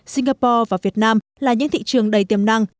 singapore và việt nam là những thị trường đầy tiềm năng